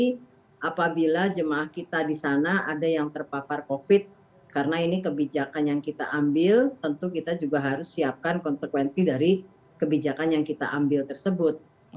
jadi apabila jemaah kita di sana ada yang terpapar covid karena ini kebijakan yang kita ambil tentu kita juga harus siapkan konsekuensi dari kebijakan yang kita ambil tersebut